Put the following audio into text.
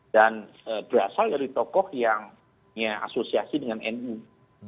dan berasal dari tokoh yang asosiasi dengan jawa tengah